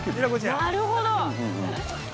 ◆なるほど。